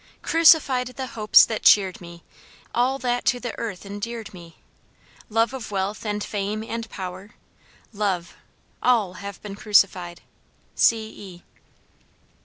Crucified the hopes that cheered me, All that to the earth endeared me; Love of wealth and fame and power, Love, all have been crucified. C. E.